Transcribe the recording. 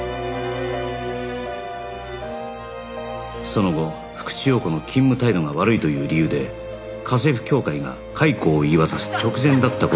その後福地陽子の勤務態度が悪いという理由で家政婦協会が解雇を言い渡す直前だった事がわかった